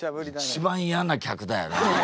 一番嫌な客だよね。